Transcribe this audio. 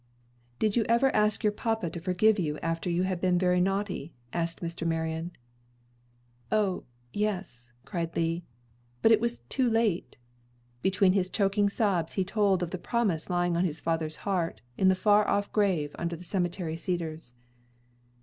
"Did you ever ask your papa to forgive you after you had been very naughty?" asked Mr. Marion. "O yes," cried Lee, "but it was too late." Between his choking sobs he told of the promise lying on his father's heart, in the far off grave under the cemetery cedars.